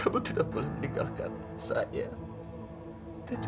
mari kita bersihkan hati kita